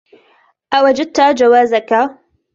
أوجدت جوازك؟